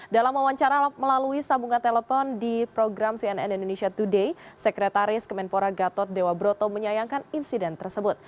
dalam wawancara melalui sambungan telepon di program cnn indonesia today sekretaris kemenpora gatot dewa broto menyayangkan insiden tersebut